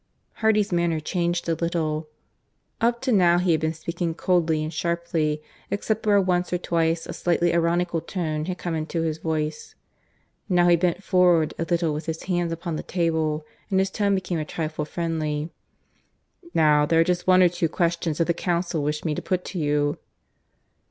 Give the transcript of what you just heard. Hardy's manner changed a little. Up to now he had been speaking coldly and sharply, except where once or twice a slightly ironical tone had come into his voice. Now he bent forward a little with his hands upon the table, and his tone became a trifle friendly. "Now there are just one or two questions that the Council wish me to put to you."